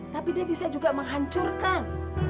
tapi dia bisa juga menghancurkan